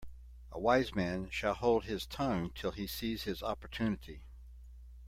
A wise man shall hold his tongue till he sees his opportunity.